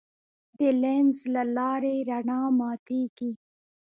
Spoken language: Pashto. د لینز له لارې رڼا ماتېږي.